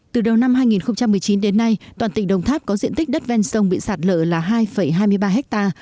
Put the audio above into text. từ đầu năm hai nghìn một mươi chín đến nay toàn tỉnh đồng tháp có diện tích đất ven sông bị sạt lở là hai hai mươi ba ha